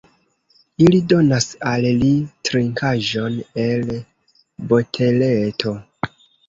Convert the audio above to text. Ili donas al li trinkaĵon el boteleto.